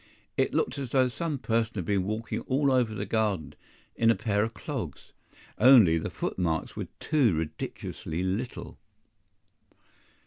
It looked as though some person had been walking all over the garden in a pair of clogs only the foot marks were too ridiculously little!